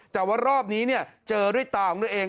แต่ว่ารอบนี้เจอด้วยตาของตัวเอง